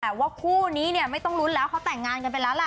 แต่ว่าคู่นี้เนี่ยไม่ต้องลุ้นแล้วเขาแต่งงานกันไปแล้วล่ะ